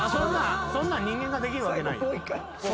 そんなん人間ができるわけない。